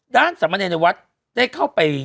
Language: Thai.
ด้านสำเนียนในวัดได้เข้าไป